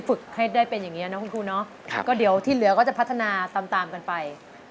ฝึกให้ได้เป็นอย่างนี้นะคุณครูเนาะก็เดี๋ยวที่เหลือก็จะพัฒนาตามกันไป